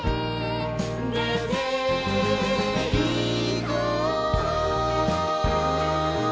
「でていこう」